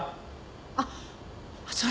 あっそれ。